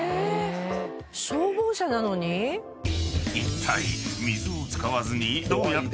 ［いったい］